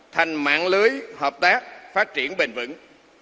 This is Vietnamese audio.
thành mạng lưới hợp tác phát triển bền vững